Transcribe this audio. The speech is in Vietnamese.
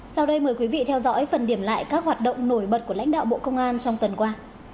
sau đây mời quý vị theo dõi phần điểm lại các hoạt động nổi bật của lãnh đạo bộ công an trong tuần qua